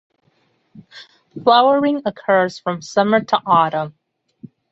Flowering occurs from summer to autumn.